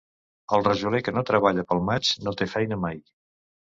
El rajoler que no treballa pel maig no té feina mai.